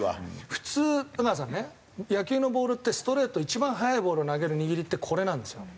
普通阿川さんね野球のボールってストレート一番速いボールを投げる握りってこれなんですよ。